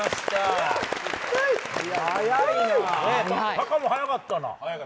タカも早かったな。